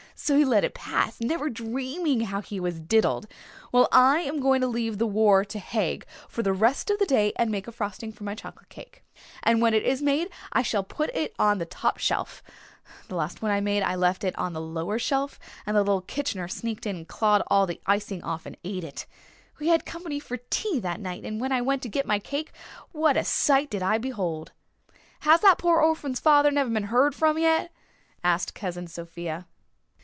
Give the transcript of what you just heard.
So he let it pass, never dreaming how he was diddled. Well, I am going to leave the war to Haig for the rest of the day and make a frosting for my chocolate cake. And when it is made I shall put it on the top shelf. The last one I made I left it on the lower shelf and little Kitchener sneaked in and clawed all the icing off and ate it. We had company for tea that night and when I went to get my cake what a sight did I behold!" "Has that pore orphan's father never been heerd from yet?" asked Cousin Sophia.